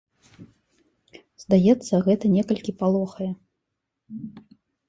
Здаецца, гэта некалькі палохае.